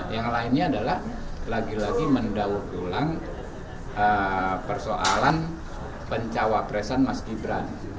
yang lainnya adalah lagi lagi mendaur ulang persoalan pencawapresan mas gibran